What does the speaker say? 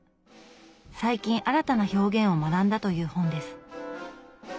最近新たな表現を学んだという本です。